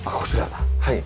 はい。